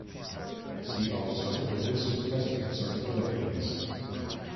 See also the list of Presidents of the Philippines.